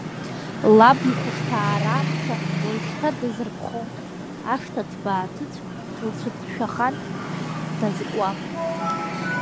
Лаб ихәшҭаара амца уажәшьҭа дазырԥхом, ашҭа ҭбаа-ҭыцә лцәыҭшәахан, дазкуам.